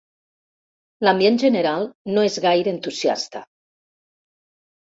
L'ambient general no és gaire entusiasta.